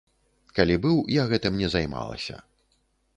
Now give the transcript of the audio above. Калі быў, я гэтым не займалася.